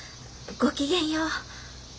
ごきげんよう。